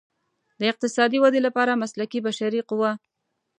د اقتصادي ودې لپاره مسلکي بشري قوه.